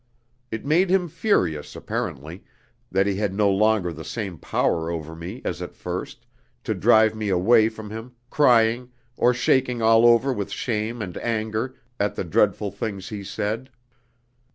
It made him furious apparently, that he had no longer the same power over me as at first, to drive me away from him, crying, or shaking all over with shame and anger at the dreadful things he said.